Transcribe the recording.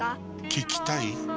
聞きたい？